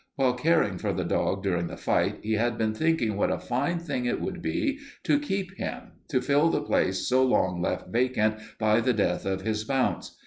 While caring for the dog during the fight, he had been thinking what a fine thing it would be to keep him, to fill the place so long left vacant by the death of his Bounce.